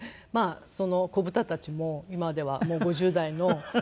その子豚たちも今ではもう５０代の。